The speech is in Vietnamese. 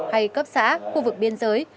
hay cấp xã khu vực biên giới